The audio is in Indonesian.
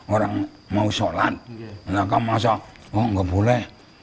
orang mau sholat mereka merasa oh nggak boleh